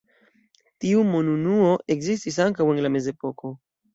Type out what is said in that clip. Tiu monunuo ekzistis ankaŭ en la Mezepoko.